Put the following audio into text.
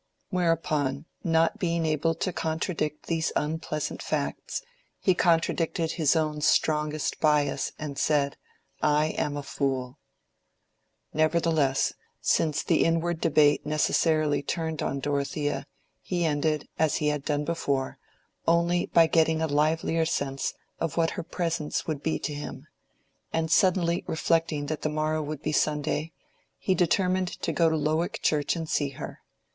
Whereupon, not being able to contradict these unpleasant facts, he contradicted his own strongest bias and said, "I am a fool." Nevertheless, since the inward debate necessarily turned on Dorothea, he ended, as he had done before, only by getting a livelier sense of what her presence would be to him; and suddenly reflecting that the morrow would be Sunday, he determined to go to Lowick Church and see her.